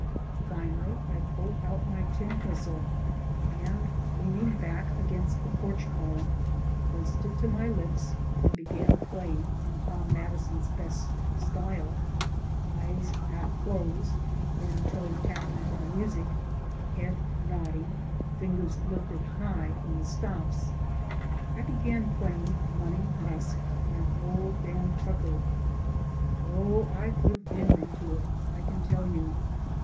Finally I pulled out my tin whistle and, leaning back against the porch column, placed it to my lips, and began playing in Tom Madison's best style (eyes half closed, one toe tapping to the music, head nodding, fingers lifted high from the stops), I began playing "Money Musk," and "Old Dan Tucker." Oh, I put vim into it, I can tell you!